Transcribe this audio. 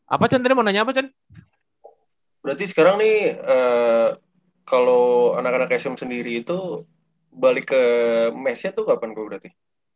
apa tadi mau nanya apa tadi berarti sekarang nih kalau anak anak sm sendiri itu balik ke mesnya tuh kapan kok berarti